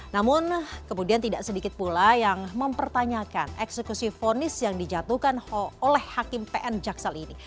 namun kemudian tidak sedikit pula yang mempertanyakan eksekusi fonis yang dijatuhkan oleh hakim pn jaksal ini